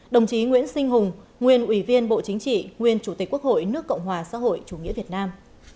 đồng chí nguyễn sinh hùng nguyên ủy viên bộ chính trị nguyên chủ tịch quốc hội nước cộng hòa xã hội chủ nghĩa việt nam